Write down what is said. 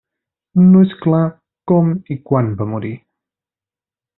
No és clar com i quan va morir.